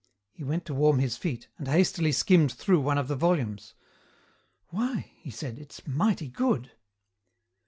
He went to warm his feet, and hastily skimmed through one of the volumes. "Why!" he said, "it's mighty good."